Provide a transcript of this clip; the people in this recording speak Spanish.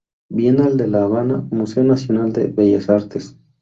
Bienal de La Habana, Museo Nacional de Bellas Artes.